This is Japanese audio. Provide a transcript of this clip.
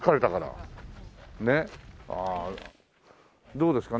どうですか？